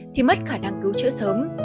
thì mất khả năng cứu chữa sớm